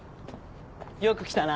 よく来たな。